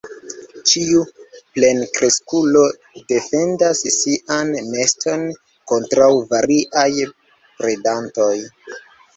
Ĉiu plenkreskulo defendas sian neston kontraŭ variaj predantoj.